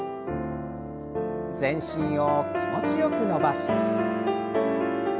全身を気持ちよく伸ばして。